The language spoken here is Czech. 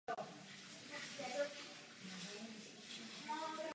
Koncepčně je podobná americkým střelám Tomahawk.